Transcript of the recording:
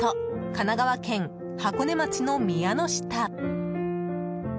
神奈川県箱根町の宮ノ下。